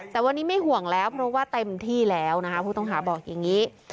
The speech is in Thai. แต่วันนี้ไม่ห่วงแล้วเพราะว่าเต็มที่แล้วนะคะผู้ต้องหาบอกอย่างนี้